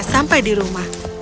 dan sampai di rumah